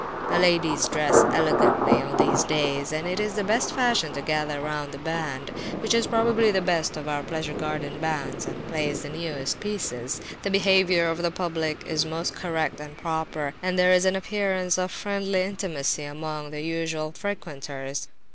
The ladies dress elegantly, on these days, and it is the fashion to gather round the band, which is probably the best of our pleasure garden bands, and plays the newest pieces. The behaviour of the public is most correct and proper, and there is an appearance of friendly intimacy among the usual frequenters.